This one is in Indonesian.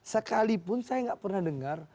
sekalipun saya gak pernah dengar